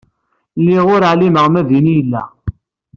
Lliɣ ur ɛlimeɣ ma din i yella.